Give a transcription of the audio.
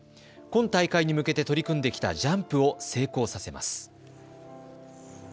今大会に向けて取り組んできたジャンプを成功させます。